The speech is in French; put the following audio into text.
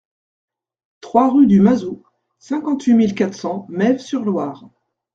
trois rue du Mazou, cinquante-huit mille quatre cents Mesves-sur-Loire